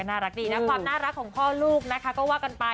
น่ารักดีนะความน่ารักของพ่อลูกนะคะก็ว่ากันไป